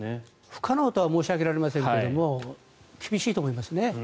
不可能とは申し上げられませんが厳しいと思いますね。